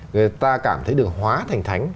người ta cảm thấy được hóa thành thánh